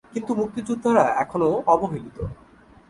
কিন্তু মুক্তিযোদ্ধারা এখনও অবহেলিত।